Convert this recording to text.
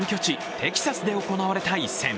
テキサスで行われた一戦。